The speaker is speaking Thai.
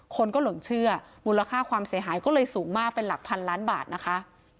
คนก็หลงเชื่อมูลค่าความเสียหายก็เลยสูงมากเป็นหลักพันล้านบาทนะคะ